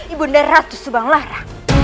ibu nda ratu subang lara